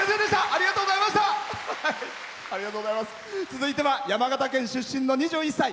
続いては山形県出身の２１歳。